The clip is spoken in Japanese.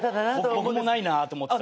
僕もないなと思ってた。